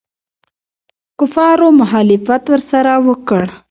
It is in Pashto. کفارو مخالفت ورسره وکړ.